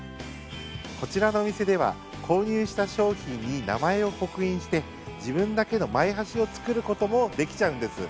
こちらのお店では購入した商品に名前を刻印して自分だけのマイ箸を作ることもできちゃうんです。